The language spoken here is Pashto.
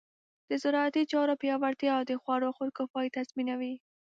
د زراعتي چارو پیاوړتیا د خوړو خودکفایي تضمینوي.